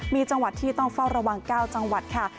มีจังหวัดที่ต้องเฝ้าระวัง๙จังหวัดค่ะ